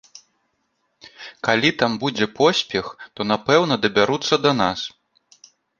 Калі там будзе поспех, то, напэўна, дабяруцца да нас.